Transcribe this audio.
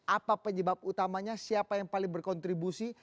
apa penyebab utamanya siapa yang paling berkontribusi